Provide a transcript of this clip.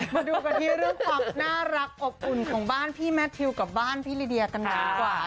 มาดูกันที่เรื่องความน่ารักอบอุ่นของบ้านพี่แมททิวกับบ้านพี่ลิเดียกันหน่อยดีกว่า